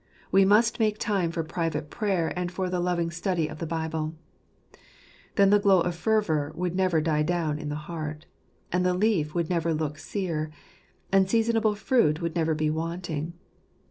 We must make time for private prayer and for the loving study of the Bible. Then the glow of fervour would never die down in the heart ; and the leaf would never look sere ; and seasonable fruit would never be wanting.